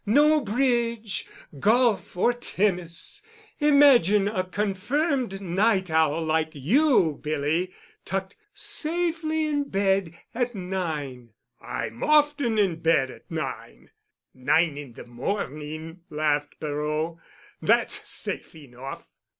No bridge, golf or tennis. Imagine a confirmed night owl like you, Billy, tucked safely in bed at nine." "I'm often in bed by nine." "Nine in the morning," laughed Perot. "That's safe enough."